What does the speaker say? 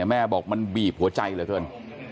แม่บอกมันบีบหัวใจเหลือเกิน